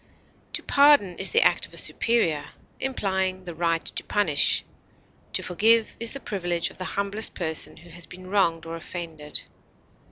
To pardon is the act of a superior, implying the right to punish; to forgive is the privilege of the humblest person who has been wronged or offended.